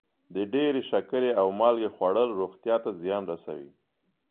د ډېرې شکرې او مالګې خوړل روغتیا ته زیان رسوي.